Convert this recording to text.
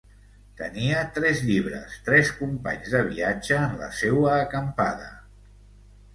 Tenia tres llibres, tres companys de viatge en la seua acampada.